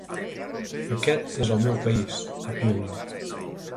Aquest és el meu país, ha piulat.